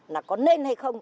là có nên hay không